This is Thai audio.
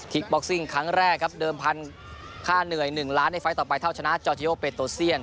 บ็อกซิ่งครั้งแรกครับเดิมพันค่าเหนื่อย๑ล้านในไฟล์ต่อไปเท่าชนะจอร์ทิโอเปโตเซียน